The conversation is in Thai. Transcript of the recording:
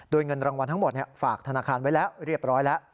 โดยเงินรางวัลทั้งหมดฝากธนาคารไว้แล้วเรียบร้อยแล้ว